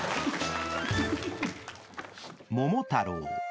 ［『桃太郎』］